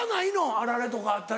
あられとかあったり。